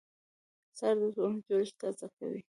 سهار د ټولنې جوړښت تازه کوي.